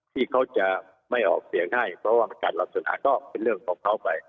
ที่เขาจะไม่ออกเสียงให้เพราะว่าประกาศรับส่วนหาก็เป็นเรื่องของเขาไป